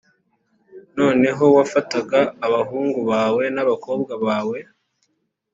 nanone wafataga abahungu bawe n abakobwa bawe